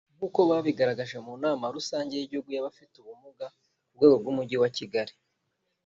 nk’uko babigaragarije mu nama rusange y’Igihugu y’abafite ubumuga ku rwego rw’Umujyi wa Kigali